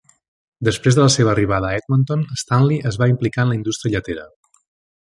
Després de la seva arribada a Edmonton, Stanley es va implicar en la indústria lletera.